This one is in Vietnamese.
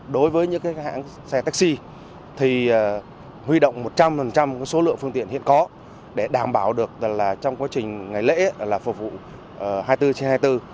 đối với những hãng xe taxi thì huy động một trăm linh số lượng phương tiện hiện có để đảm bảo được trong quá trình ngày lễ là phục vụ hai mươi bốn trên hai mươi bốn